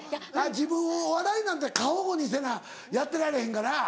自分をお笑いなんて過保護にせなやってられへんから。